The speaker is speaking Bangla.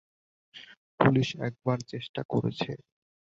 পুলিশ একবার চেষ্টা করেছে।